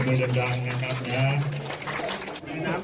ไม่ต้องกระบวนเชื่อมปากกล้องก็สำคัญ